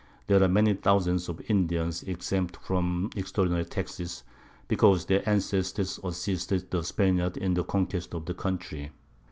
there are many thousands of Indians exempted from extraordinary Taxes, because their Ancestors assisted the Spaniards in the Conquest of the Country.